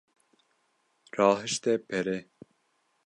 Rahişte pere.